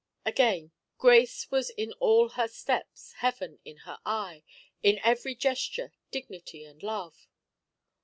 Again: Grace was in all her steps, Heaven in her eye, In every gesture, dignity and love.